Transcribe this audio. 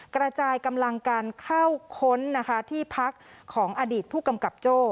กระจายกำลังการเข้าค้นนะคะที่พักของอดีตผู้กำกับโจ้